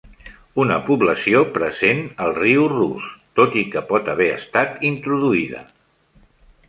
Una població present al riu rus, tot i que pot haver estat introduïda.